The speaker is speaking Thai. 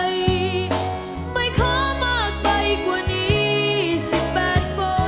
นี่แหละลูก